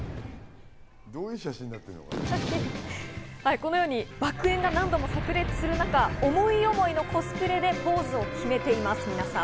このように爆煙が何度も炸裂する中、思い思いのコスプレでポーズを決めています、皆さん。